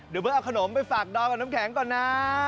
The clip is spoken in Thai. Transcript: เดี๋ยวมึงเอาขนมไปฝากดอมกับน้ำแข็งก่อนนะ